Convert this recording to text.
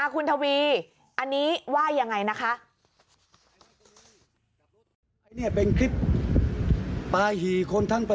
คุณทวีอันนี้ว่ายังไงนะคะ